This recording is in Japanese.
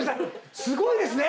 すごいですね。